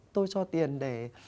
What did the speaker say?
tôi cho tiền để